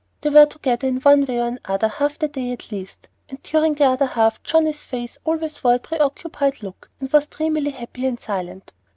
They were together in one way or another half the day at least; and during the other half Johnnie's face wore always a pre occupied look, and was dreamily happy and silent.